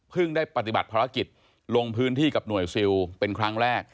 ได้ปฏิบัติภารกิจลงพื้นที่กับหน่วยซิลเป็นครั้งแรก